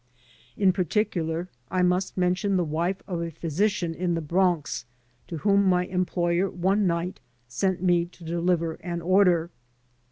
In particular I must mention the wife of a physician in the Bronx to whom my employer one night sent me to deliver an order.